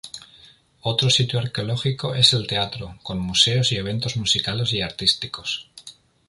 Otro sitio arqueológico es el teatro, con museos y eventos musicales y artísticos.